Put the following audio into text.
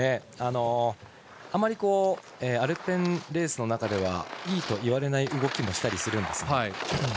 あまりアルペンレースの中ではいいといわれない動きもしたりするんですね。